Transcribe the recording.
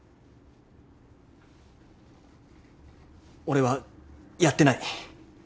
俺はやってない。